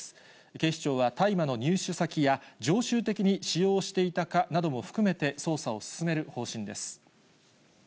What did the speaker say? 警視庁は大麻の入手先や常習的に使用していたかなども含めて捜査を進める方針です。